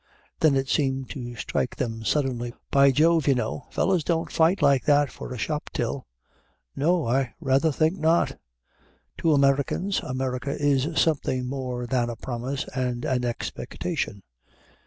Then it seemed to strike them suddenly. "By Jove, you know, fellahs don't fight like that for a shop till!" No, I rather think not. To Americans America is something more than a promise and an expectation.